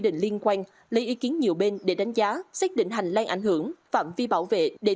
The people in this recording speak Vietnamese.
định liên quan lấy ý kiến nhiều bên để đánh giá xác định hành lang ảnh hưởng phạm vi bảo vệ để